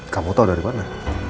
kamu tau dari mana